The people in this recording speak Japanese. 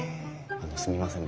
あのすみません